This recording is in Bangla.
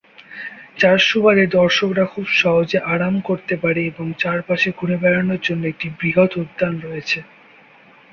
যার সুবাদে দর্শকরা খুব সহজে আরাম করতে পারে এবং চারপাশে ঘুরে বেড়ানোর জন্য একটি বৃহৎ উদ্যান রয়েছে।